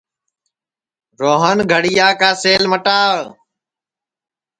روہن گھڑِیا کا سیل مٹاوَ